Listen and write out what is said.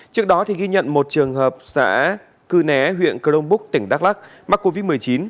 trước đó thì ghi nhận một trường hợp xã cư né huyện cơ đông búc tỉnh đắk lắc mắc covid một mươi chín